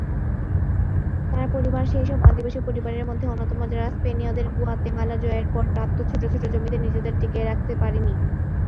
তার পরিবার সেইসব আদিবাসী পরিবারের মধ্যে অন্যতম যারা স্পেনীয়দের গুয়াতেমালা জয়ের পর প্রাপ্ত ছোট ছোট জমিতে নিজেদের টিকিয়ে রাখতে পারেনি।